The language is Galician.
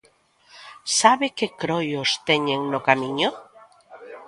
¿Sabe que croios teñen no camiño?